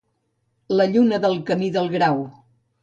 La lluna del camí del Grau.